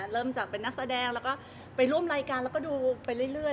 เริ่มจากเป็นนักแสดงแล้วก็ไปร่วมรายการแล้วก็ดูไปเรื่อย